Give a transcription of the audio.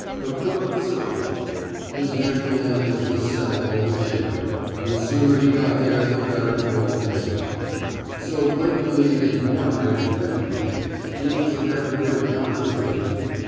A crook was a crook. His natural end was the cell or the chair, and the sooner he got there the better for all concerned. So Blake believed in "hammering" his victims. He was an advocate of "confrontation."